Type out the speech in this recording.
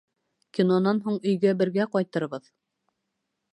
Кинонан һуң өйгә бергә ҡайтырбыҙ.